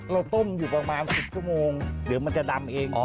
เราต้มอยู่ประมาณ๑๐ชั่วโมงเดี๋ยวมันจะดำเอง